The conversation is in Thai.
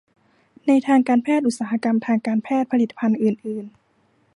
ในทางการแพทย์ อุตสาหกรรมทางการแพทย์ ผลิตภัณฑ์อื่นอื่น